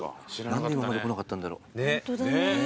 何で今まで来なかったんだろ。